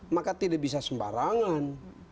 maka tidak bisa sembarangan